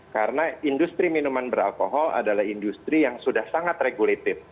karena industri minuman beralkohol adalah industri yang sudah sangat regulatif